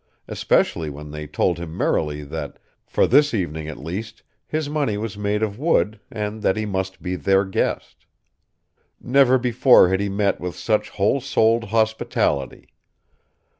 Especially when they told him merrily that, for this evening at least, his money was made of wood and that he must be their guest. Never before had he met with such wholesouled hospitality.